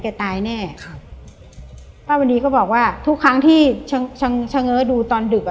ตายแน่ครับป้าวันนี้ก็บอกว่าทุกครั้งที่ชะเง้อดูตอนดึกอ่ะ